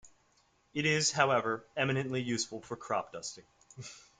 It is, however, eminently useful for cropdusting.